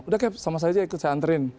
udah kayak sama saja ikut saya anterin